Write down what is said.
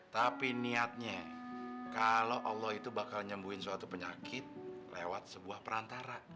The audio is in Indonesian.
tapi niatnya kalau allah itu bakal nyembuhin suatu penyakit lewat sebuah perantara